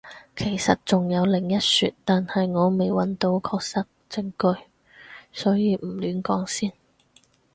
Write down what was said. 其實仲有另一說，但係我未揾到確實證據，所以唔亂講先